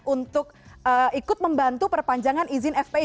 untuk ikut membantu perpanjangan izin fpi